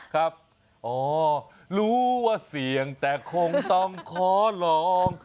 ครับอ๋อรู้ว่าเสี่ยงแต่คงต้องขอลอง